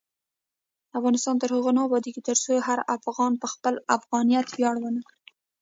افغانستان تر هغو نه ابادیږي، ترڅو هر افغان په خپل افغانیت ویاړ ونه کړي.